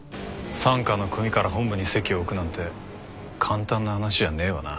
傘下の組から本部に籍を置くなんて簡単な話じゃねえわな。